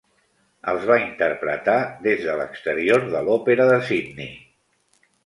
Els va interpretar des de l'exterior de l'Òpera de Sydney.